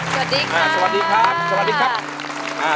สวัสดีค่ะ